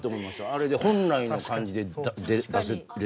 あれで本来の感じで出せれてるのが。